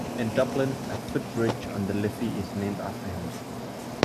In Dublin, a foot bridge on the Liffey is named after him.